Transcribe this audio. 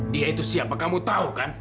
dia itu siapa kamu tahu kan